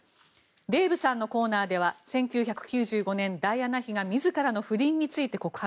デーブさんのコーナーでは１９９５年、ダイアナ妃が自らの不倫について告白。